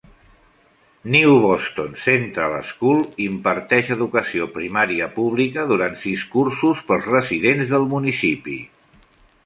New Boston Central School imparteix educació primària pública durant sis cursos pels residents del municipi.